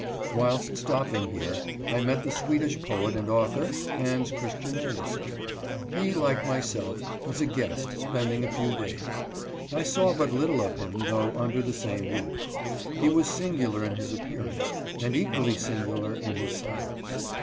Whilst stopping here, I met the Swedish poet and author — Hans Christian Andersen. GEORGE COMBE. 299 He, like myself, was a guest, spending a few days. I saw but little of him though under the same roof. He was singular in his appearance, and equally singular in his silence.